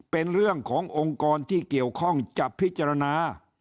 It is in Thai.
เป็นเรื่องขององค์กรที่เกี่ยวข้องจะพิจารณา